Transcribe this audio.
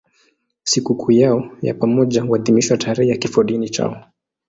Sikukuu yao ya pamoja huadhimishwa tarehe ya kifodini chao.